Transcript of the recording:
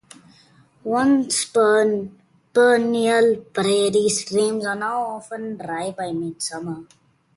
Once perennial prairie streams are now often dry by mid-summer.